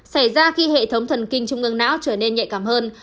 xảy ra khi hệ thống thần kinh trung ương não trở nên nhạy cảm hơn